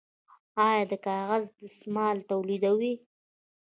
آیا د کاغذ دستمال تولیدوو؟